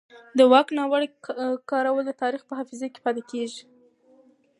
د واک ناوړه کارول د تاریخ په حافظه کې پاتې کېږي